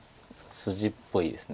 筋っぽいです。